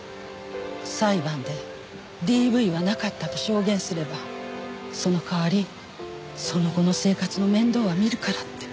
裁判でＤＶはなかったと証言すればその代わりその後の生活の面倒は見るからって。